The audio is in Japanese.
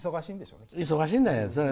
忙しいんだよ。